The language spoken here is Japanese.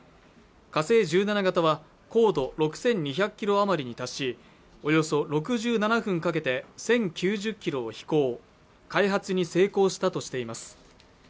火星１７型は高度６２００キロ余りに達しおよそ６７分かけて１０９０キロを飛行開発に成功したとしています